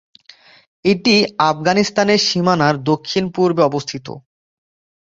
এটি আফগানিস্তানের সীমানার দক্ষিণ-পূর্বে অবস্থিত।